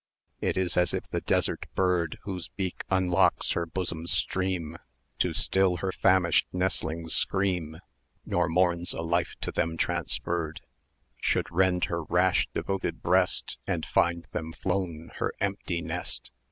950 It is as if the desert bird, Whose beak unlocks her bosom's stream To still her famished nestlings' scream, Nor mourns a life to them transferred, Should rend her rash devoted breast, And find them flown her empty nest.